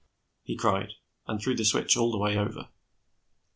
he cried, and threw the switch all the way over.